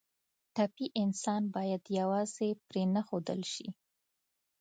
ټپي انسان باید یوازې پرېنښودل شي.